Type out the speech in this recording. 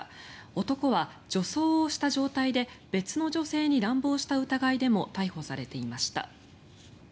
男は女装をした状態で別の女性に乱暴した疑いでも逮捕されていました。